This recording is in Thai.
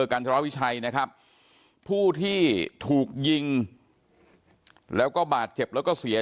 กันธรวิชัยนะครับผู้ที่ถูกยิงแล้วก็บาดเจ็บแล้วก็เสีย